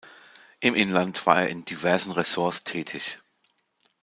Im Inland war er in diversen Ressorts tätig.